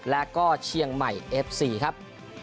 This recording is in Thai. และก็เชียงใหม่เอฟซีครับ